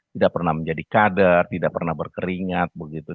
tidak pernah menjadi kader tidak pernah berkeringat begitu